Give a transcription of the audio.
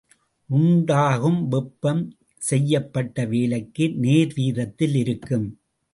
உண்டாகும் வெப்பம் செய்யப்பட்ட வேலைக்கு நேர்வீதத்தில் இருக்கும்.